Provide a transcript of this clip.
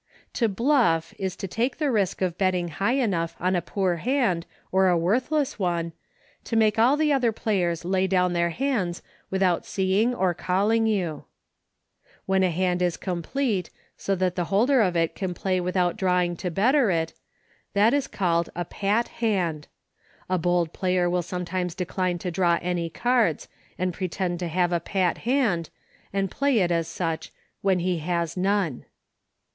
To "bluff" is to take the risk of betting high enough on a poor hand or a worthless one, to make all the other players lay down their hands without seeing or calling you. When a hand is complete, so that the holder of it can play without drawing to better it, that is called a " pat " hand. A bold player will sometimes decline to draw any cards, and pretend to have a pat hand, and play it as such, when he has none.